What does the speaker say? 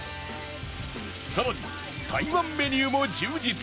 さらに台湾メニューも充実